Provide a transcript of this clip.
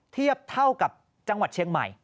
เทียบเท่ากับจังหวัดเชียงใหม่